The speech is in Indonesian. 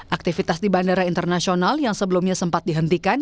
aktivitas di bandara internasional yang sebelumnya sempat dihentikan